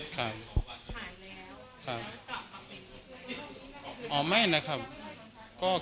ประมาณเดิมแรกพี่เป็นแล้วหายแล้วแล้วกลับมาเป็นอะไร